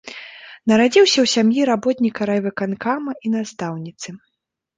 Нарадзіўся ў сям'і работніка райвыканкама і настаўніцы.